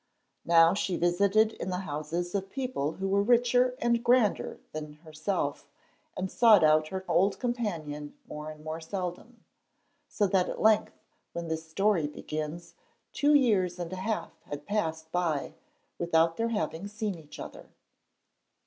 Now she visited in the houses of people who were richer and grander than herself and sought out her old companion more and more seldom, so that at length when this story begins, two years and a half had passed by without their having seen each other.